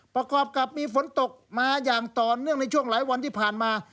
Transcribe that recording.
ประกอบกับมีฝนตกมาอย่างต่อเนื่องในช่วงหลายวันที่ผ่านมา